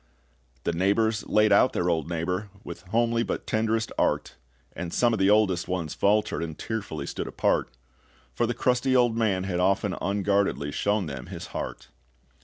The neighbors laid out their old neighbor, With homely but tenderest art; And some of the oldest ones faltered, And tearfully stood apart; For the crusty old man had often unguardedly shown them his heart.